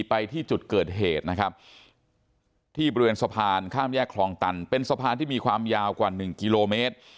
ไปที่จุดเกิดเหตุนะครับที่บริเวณสะพานข้ามแยกคลองตันเป็นสะพานที่มีความยาวกว่า๑กิโลเมตร